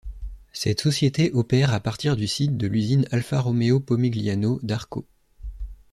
Cette société opère à partir du site de l'Usine Alfa Romeo-Pomigliano d'Arco.